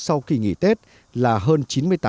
sau kỳ nghỉ tết là hơn chín mươi tám